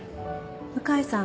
向井さん